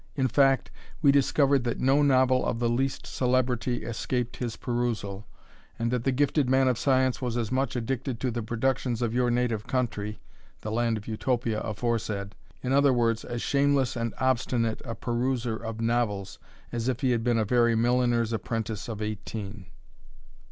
In fact, we discovered that no novel of the least celebrity escaped his perusal, and that the gifted man of science was as much addicted to the productions of your native country, (the land of Utopia aforesaid,) in other words, as shameless and obstinate a peruser of novels, as if he had been a very milliner's apprentice of eighteen.